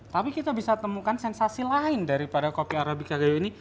tapi kita bisa temukan sensasi lain daripada kopi arabica dayu ini